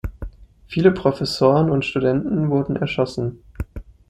Viele Professoren und Studenten wurden erschossen.